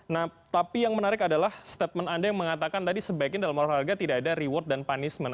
nah tapi yang menarik adalah statement anda yang mengatakan tadi sebaiknya dalam olahraga tidak ada reward dan punishment